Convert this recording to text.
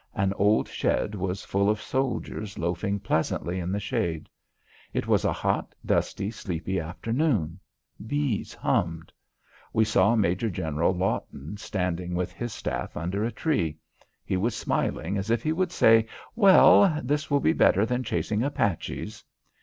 An old shed was full of soldiers loafing pleasantly in the shade. It was a hot, dusty, sleepy afternoon; bees hummed. We saw Major General Lawton standing with his staff under a tree. He was smiling as if he would say: "Well, this will be better than chasing Apaches."